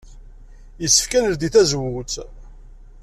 Yessefk ad neldey tazewwut?